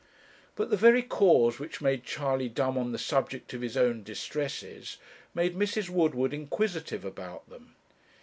But the very cause which made Charley dumb on the subject of his own distresses made Mrs. Woodward inquisitive about them.